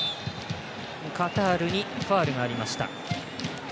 カタールにファウルがありました。